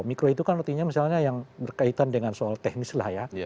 mikro itu kan artinya misalnya yang berkaitan dengan soal teknis lah ya